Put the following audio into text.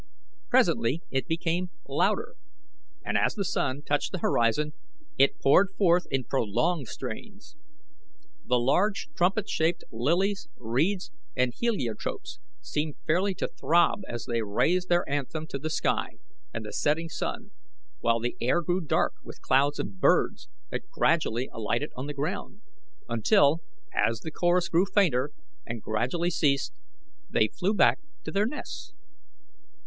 Presently it became louder, and as the sun touched the horizon, it poured forth in prolonged strains. The large trumpet shaped lilies, reeds, and heliotropes seemed fairly to throb as they raised their anthem to the sky and the setting sun, while the air grew dark with clouds of birds that gradually alighted on the ground, until, as the chorus grew fainter and gradually ceased, they flew back to their nests.